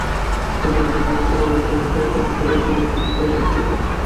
এই জগতে দীর্ঘকাল আনন্দে পূর্ণ হইয়া কার্য করিয়া জীবন উপভোগ করিবার ইচ্ছা কর।